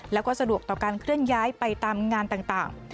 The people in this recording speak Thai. แล้วก็สะดวกต่อการเคลื่อนย้ายไปตามงานต่าง